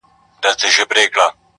او یوازي هغه څوک هلته پایېږي!!